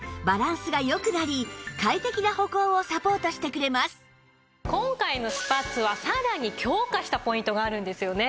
一方また今回のスパッツはさらに強化したポイントがあるんですよね。